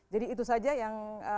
jadi itu saja yang